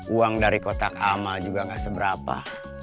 uang dari kotak amal juga gak seberapa